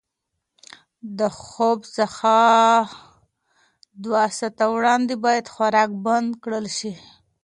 د خوب څخه دوه ساعته وړاندې باید خوراک بند کړل شي.